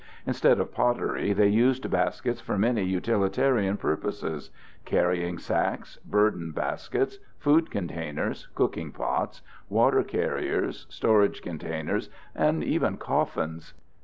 Instead of pottery they used baskets for many utilitarian purposes: carrying sacks, burden baskets, food containers, cooking pots, water carriers, storage containers, and even "coffins."